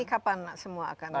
ini kapan semua akan selesai